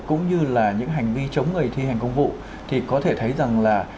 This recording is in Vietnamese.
cũng như là những hành vi chống người thi hành công vụ thì có thể thấy rằng là